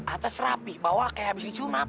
atas rapih bawah kayak abis disumat